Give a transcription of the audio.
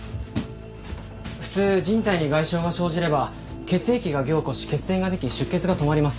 普通人体に外傷が生じれば血液が凝固し血栓ができ出血が止まります。